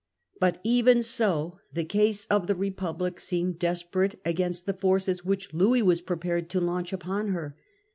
But even so the case, of the Republic seemed despe rate against the forces which Louis was prepared to launch upon her.